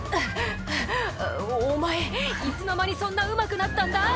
「はぁはぁお前いつの間にそんなうまくなったんだ？」